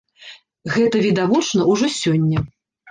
Гэта відавочна ўжо сёння!